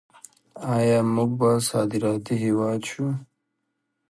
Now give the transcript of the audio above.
آیا موږ به صادراتي هیواد شو؟